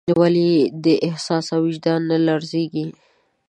ولې دې احساس او وجدان نه رالړزېږي.